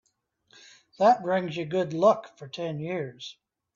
That brings you good luck for ten years.